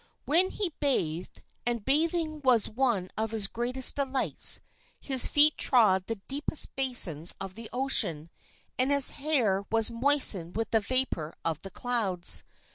When he bathed and bathing was one of his greatest delights his feet trod the deepest basins of the ocean and his hair was moistened with the vapor of the clouds.